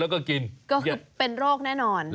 ก็คือเป็นโรคแน่นอน